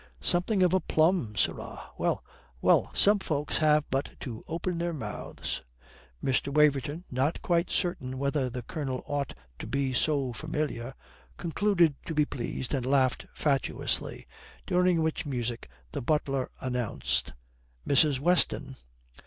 "Something of a plum, sirrah. Well, well, some folks have but to open their mouths." Mr. Waverton, not quite certain whether the Colonel ought to be so familiar, concluded to be pleased, and laughed fatuously. During which music the butler announced "Mrs. Weston."